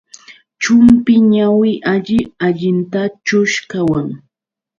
Chumpi ñawi alli allintachus qawan.